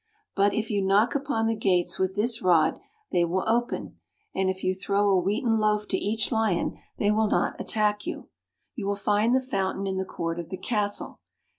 But if you knock upon the gates with this rod, they will open; and if you throw a wheaten loaf to each lion, they will not attack you. You will find the fountain in the court of the castle.